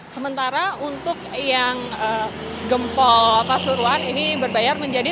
sementara untuk yang gempol pasuruan ini berbayar menjadi rp tiga puluh enam